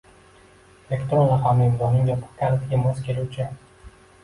elektron raqamli imzoning yopiq kalitiga mos keluvchi